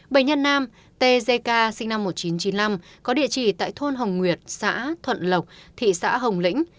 bệnh nhân nam tzk sinh năm một nghìn chín trăm chín mươi năm có địa chỉ tại thôn hồng nguyệt xã thuận lộc thị xã hồng lĩnh